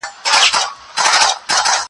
زه هره ورځ د تکړښت لپاره ځم.